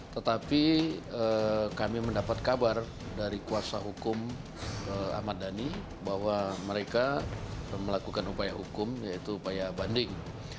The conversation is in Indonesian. tetapi kami mendapat kabar dari kuasa hukum ahmad dhani bahwa mereka melakukan upaya hukum yaitu upaya banding